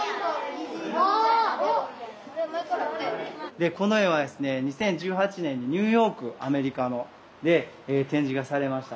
でこの絵はですね２０１８年にニューヨークアメリカの。で展示がされました。